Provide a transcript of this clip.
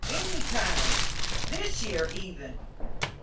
Any time! This year, even!"